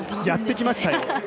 やってきましたよ。